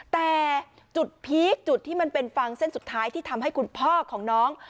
แต่จุดพีคจุดที่มันเป็นฟังเส้นสุดท้ายที่ทำให้คุณพ่อของน้อง